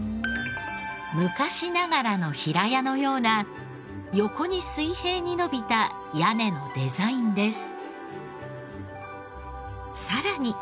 昔ながらの平屋のような横に水平に延びた屋根のデザインです。